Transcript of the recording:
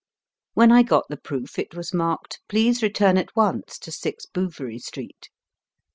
ZANGWILL 177 When I got the proof it was marked, Please return at once to 6 Bouverie Street.